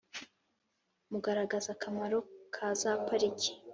mugaragaza akamaro ka za pariki